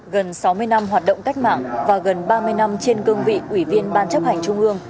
gần sáu mươi năm hoạt động cách mạng và gần ba mươi năm trên cương vị ủy viên ban chấp hành trung ương